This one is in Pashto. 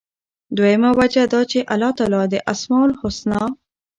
دویمه وجه دا چې الله تعالی د أسماء الحسنی،